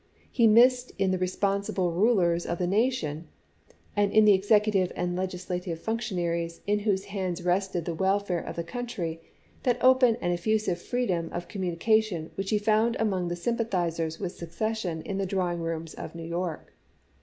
He missed in the responsible rulers of the nation, and in the executive and legislative func tionaries in whose hands rested the weKare of the country, that open and effusive freedom of commu nication which he found among the sympathizers with secession in the drawing rooms of New York.